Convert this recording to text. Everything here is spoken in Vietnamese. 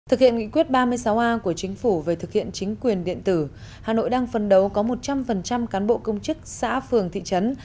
thực hiện nghị quyết ba mươi sáu a của chính phủ về thực hiện chính quyền điện tử hà nội đang phân đấu có một trăm linh cán bộ công chức xã phường thị trấn